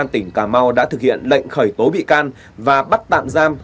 tỉnh cà mau đã thực hiện lệnh khởi tố bị can và bắt tạm giam